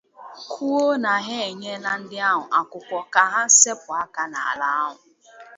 kwuo na ha enyela ndị ahụ akwụkwọ ka ha sepu aka n'ala ahụ